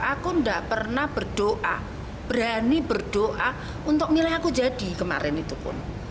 aku tidak pernah berdoa berani berdoa untuk milih aku jadi kemarin itu pun